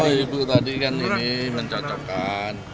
ibu ibu tadi kan ini mencocokkan